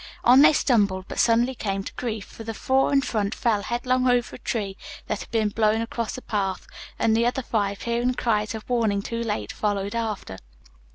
On they stumbled, but suddenly came to grief, for the four in front fell headlong over a tree that had been blown across the path, and the other five hearing their cries of warning too late, followed after.